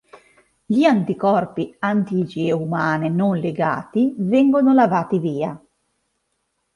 Gli anticorpi anti IgE umane non legati vengono lavati via.